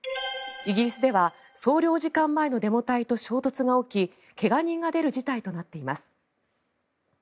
イギリスでは総領事館前のデモ隊と衝突が起き怪我人が出る事態となっています。